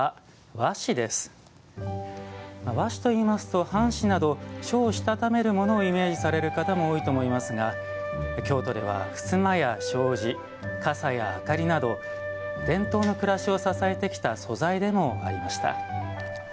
和紙といいますと、半紙など書をしたためるものをイメージされる方も多いと思いますが京都では、ふすまや障子傘や明かりなど伝統の暮らしを支えてきた素材でもありました。